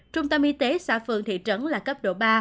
trung tâm y tế xã phường thị trấn là cấp độ ba